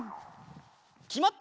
きまった！